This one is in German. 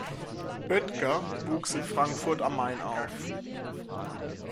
Boettger wuchs in Frankfurt am Main auf.